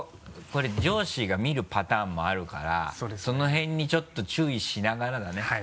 これ上司が見るパターンもあるからその辺にちょっと注意しながらだね。